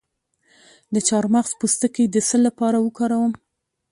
د چارمغز پوستکی د څه لپاره وکاروم؟